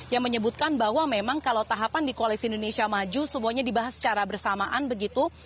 yang menyebutkan bahwa memang kalau tahapan di koalisi indonesia maju semuanya dibahas secara bersamaan begitu